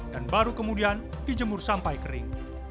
dan baru kemudian dijemur sampai kering